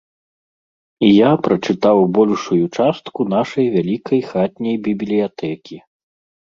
І я прачытаў большую частку нашай вялікай хатняй бібліятэкі.